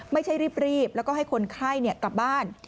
ไม่ใช่รีบแล้วก็ให้คนไข้กลับบ้าน